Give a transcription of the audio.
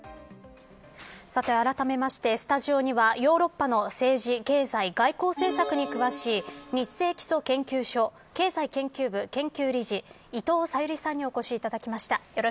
あらためましてスタジオにはヨーロッパの政治、経済外交政策に詳しいニッセイ基礎研究所経済研究部研究理事伊藤さゆりさんにお越しいただきました。